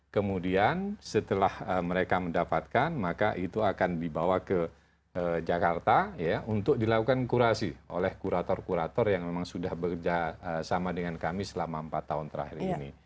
kemudian setelah mereka mendapatkan maka itu akan dibawa ke jakarta untuk dilakukan kurasi oleh kurator kurator yang memang sudah bekerja sama dengan kami selama empat tahun terakhir ini